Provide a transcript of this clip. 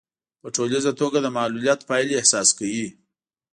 په ټولیزه توګه د معلوليت پايلې احساس کوي.